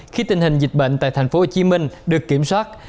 khi tình hình dịch bệnh tại tp hcm được kiểm soát